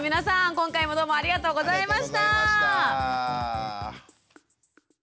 今回もどうもありがとうございました！